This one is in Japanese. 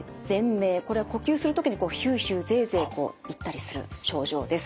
これは呼吸する時にヒューヒューゼーゼー言ったりする症状です。